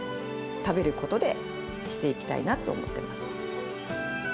食べることで、そうしていきたいなと思ってます。